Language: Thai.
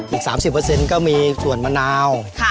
อีก๓๐ก็มีส่วนมะนาว